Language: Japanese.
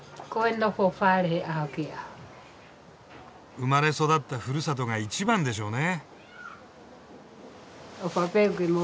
生まれ育ったふるさとが一番でしょうね。